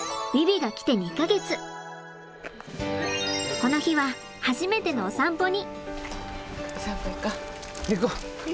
この日は初めてのお散歩に。